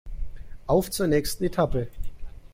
Auf zur nächsten Etappe!